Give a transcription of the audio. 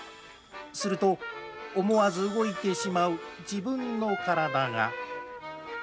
すると、思わず動いてしまう自分の体が。